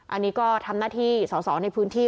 อันนี้ก็ทำหน้าที่สอสอในพื้นที่